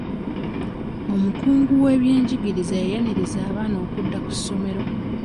Omukungu w'ebyenjigiriza yayanirizza abaana okudda ku ssomero.